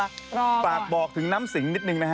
รอก่อนปากบอกถึงน้ำสิงนิดนึงนะฮะ